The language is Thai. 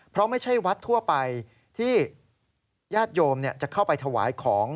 เพราะไม่ใช่วัดทั่วไปที่ญาติโยมจะเข้าไปถวายของ